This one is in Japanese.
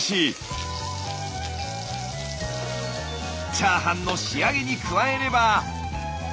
チャーハンの仕上げに加えれば。